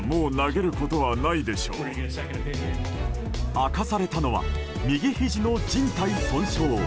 明かされたのは右ひじのじん帯損傷。